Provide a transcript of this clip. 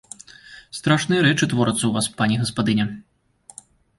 Страшныя рэчы творацца ў вас, пані гаспадыня!